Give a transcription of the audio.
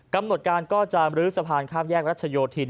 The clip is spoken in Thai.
กำหนดการก็จะมรื้อสะพานข้ามแยกรัชโยธิน